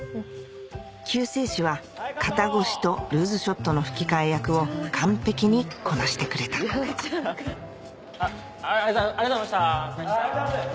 救世主は肩越しとルーズショットの吹き替え役を完璧にこなしてくれたありがとうございました。